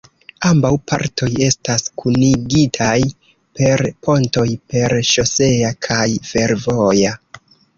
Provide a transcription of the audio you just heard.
Ambaŭ partoj estas kunigitaj per pontoj: per ŝosea kaj fervoja.